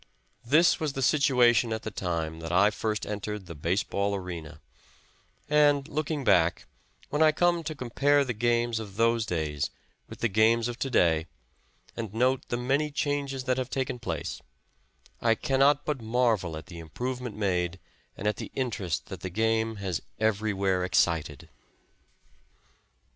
This was the situation at the time that I first entered tile base ball arena, and, looking back, when I come to compare the games of those days with the games of to day and note the many changes that have taken place, I cannot but marvel at the improvement made and at the interest that the game has everywhere excited.